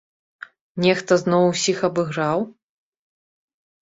Нехта зноў усіх абыграў?